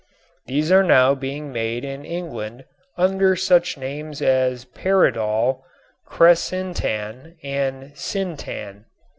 These are now being made in England under such names as "paradol," "cresyntan" and "syntan."